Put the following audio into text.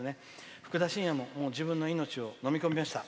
ふくだしんやも自分の命をのみ込みました。